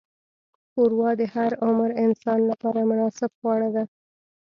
ښوروا د هر عمر انسان لپاره مناسب خواړه ده.